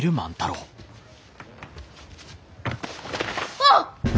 あっ！？